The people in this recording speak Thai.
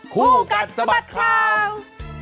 ผู้กันสบัดข่าว